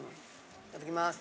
いただきます。